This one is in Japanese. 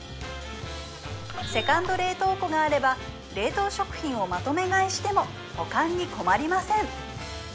セカンド冷凍庫があれば冷凍食品をまとめ買いしても保管に困りません